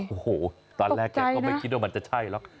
โอ้โหตอนแรกแกก็ไม่คิดว่ามันจะใช่หรอก